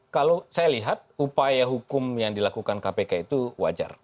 kalau saya lihat upaya hukum yang dilakukan kpk itu wajar